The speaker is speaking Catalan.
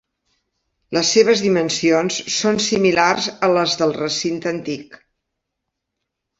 Les seves dimensions són similars a les del recinte antic.